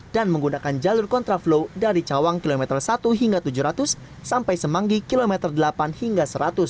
dan menggunakan jalur contraflow dari cawang km satu hingga tujuh ratus sampai semanggi km delapan hingga seratus